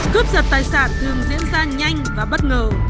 cướp giật tài sản thường diễn ra nhanh và bất ngờ